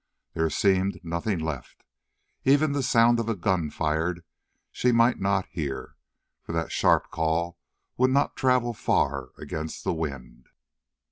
There seemed nothing left. Even the sound of a gun fired she might not hear, for that sharp call would not travel far against the wind.